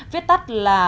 viết tắt là